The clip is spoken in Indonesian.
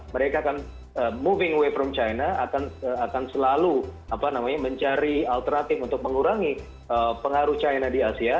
mereka akan moving away from china akan selalu mencari alternatif untuk mengurangi pengaruh china di asia